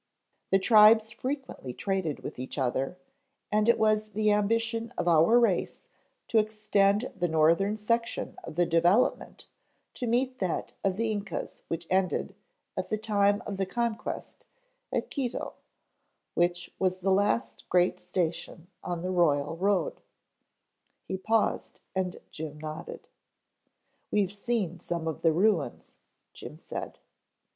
The tribes frequently traded with each other, and it was the ambition of our race to extend the northern section of the development to meet that of the Yncas which ended, at the time of the conquest, at Quito, which was the last great station on the Royal Road," he paused, and Jim nodded. "We've seen some of the ruins," Jim said.